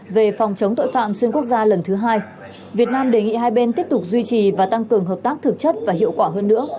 về phòng chống tội phạm xuyên quốc gia lần thứ hai việt nam đề nghị hai bên tiếp tục duy trì và tăng cường hợp tác thực chất và hiệu quả hơn nữa